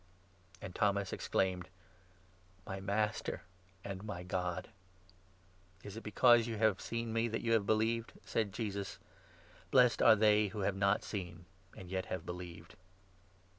And Thomas exclaimed : 28 " My Master, and my God !"" Is it because you have seen me that you have believed ?" 29 said Jesus. " Blessed are they who have not seen, and yet have believed